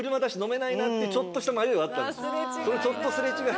ちょっとすれ違い。